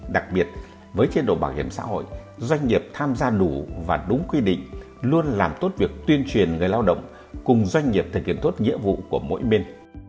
đặc biệt với chế độ bảo hiểm xã hội doanh nghiệp tham gia đủ và đúng quy định luôn làm tốt việc tuyên truyền người lao động cùng doanh nghiệp thực hiện tốt nhiệm vụ của mỗi bên